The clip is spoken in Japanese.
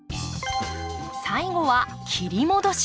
最後は切り戻し。